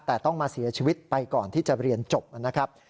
แต่ต้องมาเสียชีวิตไปก่อนที่จะเรียนจบนะครับ